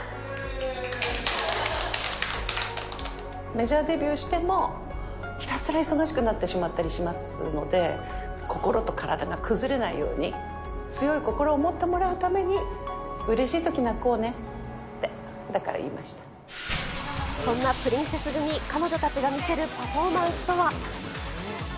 メジャーデビューしても、ひたすら忙しくなってしまったりしますので、心と体が崩れないように、強い心を持ってもらうために、うれしいとき、そんなプリンセス組、彼女たちが見せるパフォーマンスとは。